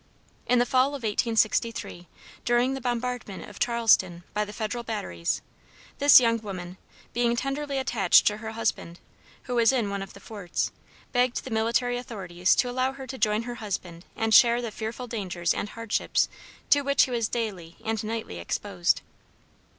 In the fall of 1863, during the bombardment of Charleston by the federal batteries, this young woman, being tenderly attached to her husband, who was in one of the forts, begged the military authorities to allow her to join her husband and share the fearful dangers and hardships to which he was daily and nightly exposed.